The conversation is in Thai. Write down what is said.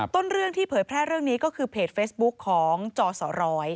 ต้นเรื่องที่เผยแพร่เรื่องนี้ก็คือเพจเฟซบุ๊คของจอสร้อย